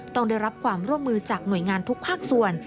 ต้องได้รับความร่วมมือจากหน่วยงานทุกภาคส่วน